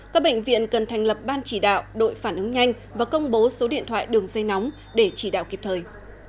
các bệnh viện cần thành lập ban chỉ đạo đội phản ứng nhanh và công bố số điện thoại đường dây nóng để chỉ đạo kịp thời